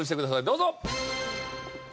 どうぞ。